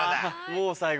もう最後か。